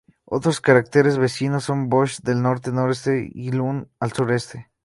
Otros cráteres vecinos son Bosch al norte-noreste y Cai Lun al sur-sureste.